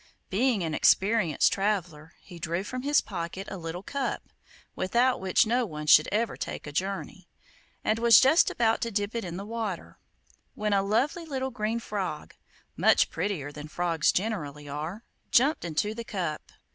Being an experienced traveller, he drew from his pocket a little cup (without which no one should ever take a journey), and was just about to dip it in the water, when a lovely little green frog, much prettier than frogs generally are, jumped into the cup.